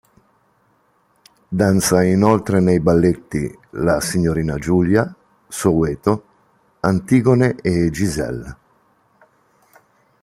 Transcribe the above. Danza inoltre nei balletti "La signorina Giulia", "Soweto", "Antigone" e "Giselle".